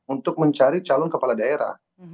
untuk mencari calon kepala daerah